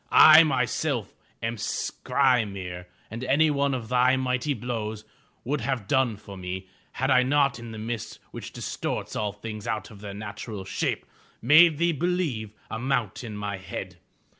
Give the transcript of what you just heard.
I myself am Skry'mir and any one of thy mighty blows would have done for me, had I not in the mist, which distorts all things out of their natural shape, made thee believe a mountain my head.